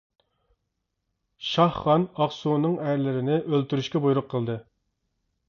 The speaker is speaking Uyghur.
شاھ خان ئاقسۇنىڭ ئەرلىرىنى ئۆلتۈرۈشكە بۇيرۇق قىلدى.